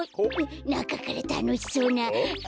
なかからたのしそうななかから。